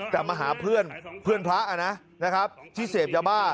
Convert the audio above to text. แต่มาหาเพื่อนเพื่อนพระนะครับที่เสพยาบ้า